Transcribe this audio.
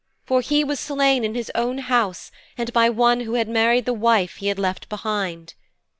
For he was slain in his own house and by one who had married the wife he had left behind.